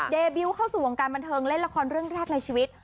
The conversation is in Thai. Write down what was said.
บิวเข้าสู่วงการบันเทิงเล่นละครเรื่องแรกในชีวิต